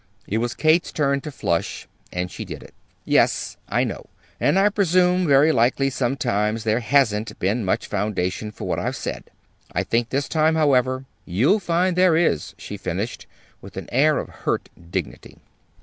It was Kate's turn to flush, and she did it. "Yes, I know. And I presume very likely sometimes there hasn't been much foundation for what I've said. I think this time, however, you'll find there is," she finished, with an air of hurt dignity.